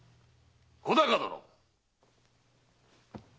小高殿！